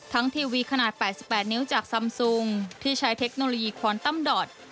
ทั้งทีวีขนาดแปดสิบแปดนิ้วจากซัมซุงที่ใช้เทคโนโลยีควอนตัมดอต